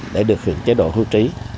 để được hưởng chế độ thu trí